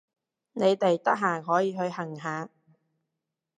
你哋得閒可以去行下